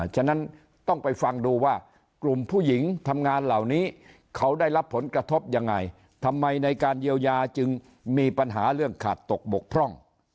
ฉะนั้นต้องไปฟังดูว่ากลุ่มผู้หญิงทำงานเหล่านี้เขาได้รับผลกระทบยังไงทำไมในการเยียวยาจึงมีปัญหาเรื่องขาดตกบกพร่อง